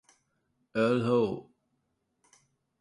Earl Howe.